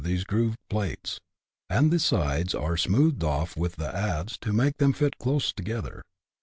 these grooved plates, and the sides are smoothed off with the adze to make them fit close together.